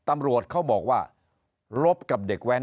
นายกรัฐมนตรีพูดเรื่องการปราบเด็กแว่น